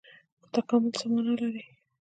تکامل څه مانا لري؟